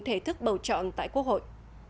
thể thức bầu chọn tại quốc hội